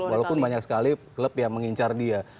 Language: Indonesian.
walaupun banyak sekali klub yang mengincar dia